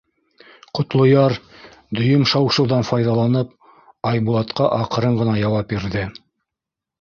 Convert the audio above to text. Ҡотлояр, дөйөм шау-шыуҙан файҙаланып, Айбулатҡа аҡрын ғына яуап бирҙе: